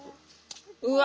うわ。